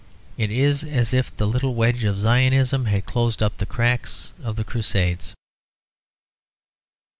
It is as if the little wedge of Zionism had closed up the cracks of the Crusades.